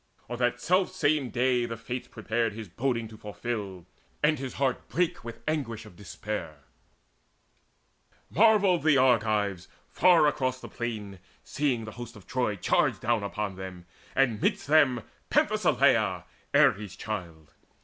On that selfsame day The Fates prepared his boding to fulfil; And his heart brake with anguish of despair. Marvelled the Argives, far across the plain Seeing the hosts of Troy charge down on them, And midst them Penthesileia, Ares' child.